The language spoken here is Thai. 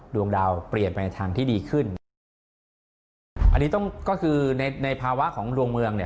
ดวงดาวเปลี่ยนไปในทางที่ดีขึ้นนะครับอันนี้ต้องก็คือในในภาวะของดวงเมืองเนี่ย